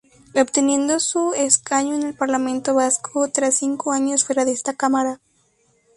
Obteniendo su escaño en el Parlamento Vasco tras cinco años fuera de esta Cámara.